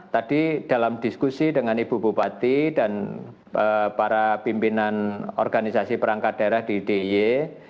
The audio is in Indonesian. tadi dalam diskusi dengan ibu bupati dan para pimpinan organisasi perangkat daerah di dii